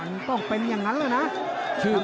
มันต้องเป็นอย่างนั้นแหละนะ